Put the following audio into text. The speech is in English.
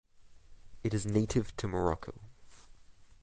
It is native to Morocco.